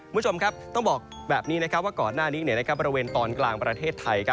้มุชมครับต้องบอกด้วยว่าก่อนหน้านี้ด้านพระเกรงปฏิภัณฑ์ประเทศไทย